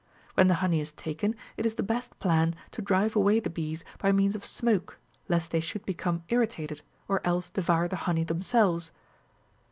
When the honey is taken, it is the best plan to drive away the bees by means of smoke, lest they should become irritated, or else devour the honey themselves.